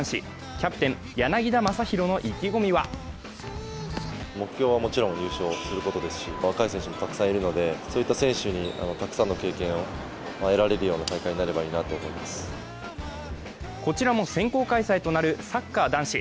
キャプテン・柳田将洋の意気込みはこちらも先行開催となるサッカー男子。